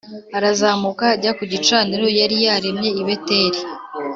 arazamuka ajya ku gicaniro yari yaremye i Beteli